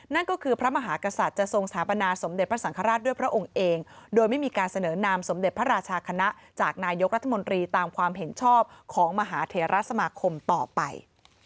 นั่นก็คือพระมหากษัตริย์จะทรงสถาปนาสมเด็จพระสังฆราชด้วยพระองค์เองโดยไม่มีการเสนอนามสมเด็จพระราชาคณะจากนายกรัฐมนตรีตามความเห็นชอบของมหาเทราสมาคมต่อไป